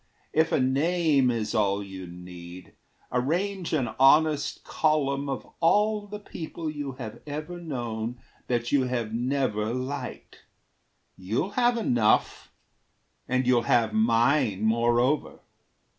If a name Is all you need, arrange an honest column Of all the people you have ever known That you have never liked. You'll have enough; And you'll have mine, moreover.